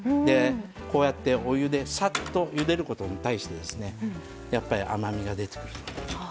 こうやってお湯でサッとゆでることに対してやっぱり甘みが出てくるので。